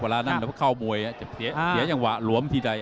เวลาเข้ามวยจะเสียจังหวะหลวมทีใด